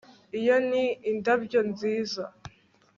Iyo ni indabyo nziza